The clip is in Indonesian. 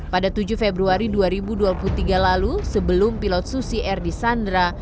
pada tujuh februari dua ribu dua puluh tiga lalu sebelum pilot susi air di sandra